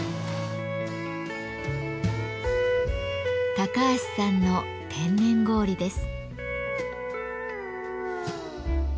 高橋さんの天然氷です。